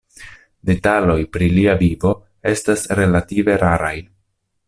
Detaloj pri lia vivo estas relative raraj.